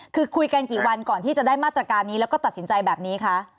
คือคุยกันกี่วันก่อนที่จะได้มาตรการนี้แล้วก็ตัดสินใจแบบนี้คะ